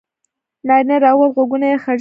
نارینه راووت غوږونه یې ځړېدلي وو.